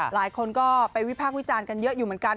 หลายคนก็ไปวิพากษ์วิจารณ์กันเยอะอยู่เหมือนกัน